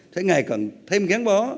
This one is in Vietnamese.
sẽ ngày càng thêm gán bó